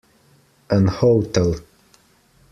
An hotel.